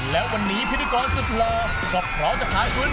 และวันนี้พิธีกรสุดหล่อก็พร้อมจะพายพื้น